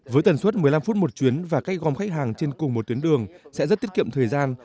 với tần suất một mươi năm phút một chuyến và cách gom khách hàng trên cùng một tuyến đường sẽ rất tiết kiệm thời gian